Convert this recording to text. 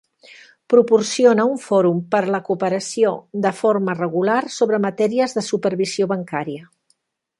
Proporciona un fòrum per a la cooperació de forma regular sobre matèries de supervisió bancària.